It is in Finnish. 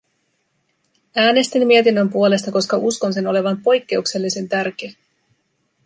Äänestin mietinnön puolesta, koska uskon sen olevan poikkeuksellisen tärkeä.